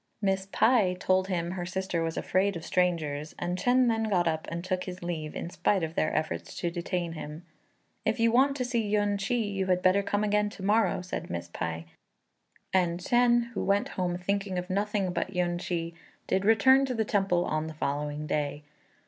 Miss Pai told him her sister was afraid of strangers, and Chên then got up and took his leave in spite of their efforts to detain him. "If you want to see Yün ch'i you had better come again to morrow," said Miss Pai; and Chên, who went home thinking of nothing but Yün ch'i, did return to the temple on the following day.